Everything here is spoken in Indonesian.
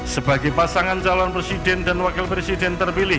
sebagai pasangan calon presiden dan wakil presiden terpilih